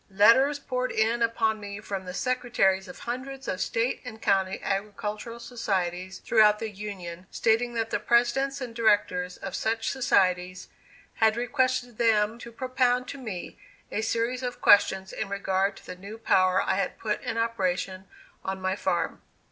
Letters poured in upon me from the secretaries of hundreds of State and County agricultural societies throughout the Union, stating that the presidents and directors of such societies had requested them to propound to me a series of questions in regard to the new power I had put in operation on my farm.